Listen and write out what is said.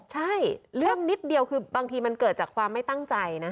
ใช่เรื่องนิดเดียวคือบางทีมันเกิดจากความไม่ตั้งใจนะ